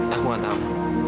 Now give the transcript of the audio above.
aku gak tahu